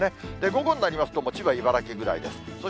午後になりますと、千葉、茨城ぐらいです。